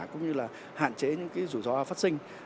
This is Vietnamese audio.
cũng như là hạn chế những cái rủi ro phát sinh